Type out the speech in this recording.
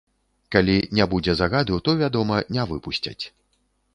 Калі не будзе загаду, то, вядома, не выпусцяць.